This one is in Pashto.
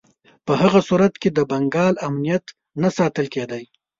په هغه صورت کې د بنګال امنیت نه ساتل کېدی.